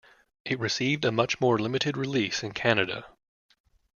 It received a much more limited release in Canada.